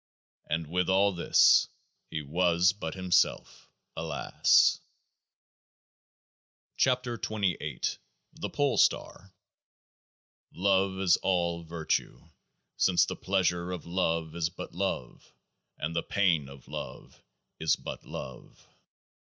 And with all this he was but himself. Alas ! 37 KEOAAH KH THE POLE STAR Love is all virtue, since the pleasure of love is but love, and the pain of love is but love.